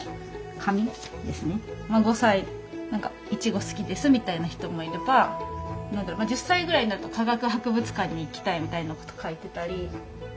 ５歳何かいちご好きですみたいな人もいれば１０歳ぐらいなると「化学博物館に行きたい」みたいなこと書いてたり。